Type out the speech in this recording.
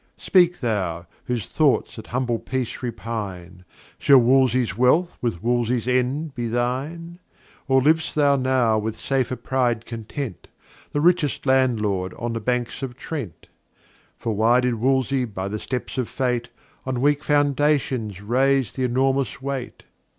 Speak thou, whose Thoughts at humble Peace repine, Shall Wolsey's Wealth, with Wolsey's End be thine? Or liv'st thou now, with safer Pride content, The richest Landlord on the Banks of Trent? For why did Wolsey by the Steps of Fate, On weak Foundations raise th' enormous Weight?